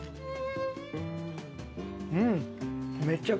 うん！